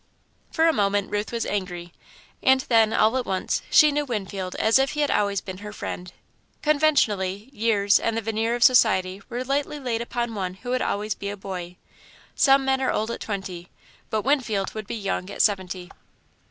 For a moment Ruth was angry, and then, all at once, she knew Winfield as if he had always been her friend. Conventionality, years, and the veneer of society were lightly laid upon one who would always be a boy. Some men are old at twenty, but Winfield would be young at seventy.